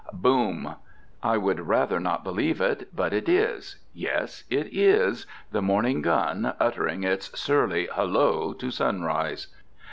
BOOM! I would rather not believe it; but it is yes, it is the morning gun, uttering its surly "Hullo!" to sunrise.